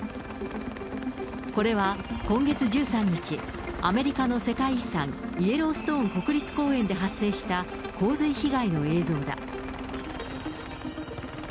これは、今月１３日、アメリカの世界遺産、イエローストーン国立公園で発生した洪水被害の映像だ。